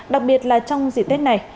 đặc biệt là trong dịp tết này